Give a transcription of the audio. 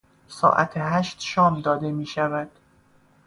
ساعت هشت شام داده میشود.